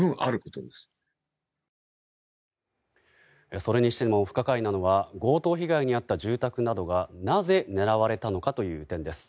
それにしても不可解なのは強盗被害に遭った住宅などがなぜ狙われたのかという点です。